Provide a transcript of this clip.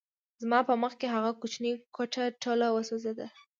زما په مخکې هغه کوچنۍ کوټه ټوله وسوځېده